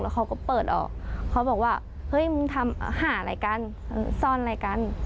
เขาก็เปิดออกเขาบอกว่าเฮ้ยมึงทำหาอะไรกันซ่อนอะไรกัน